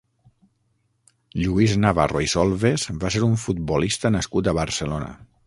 Lluís Navarro i Solves va ser un futbolista nascut a Barcelona.